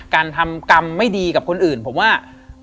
การทำกรรมไม่ดีกับคนอื่นผมว่า